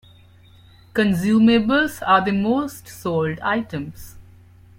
Consumables are the most sold items.